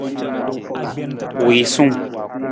Wiisung.